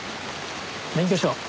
免許証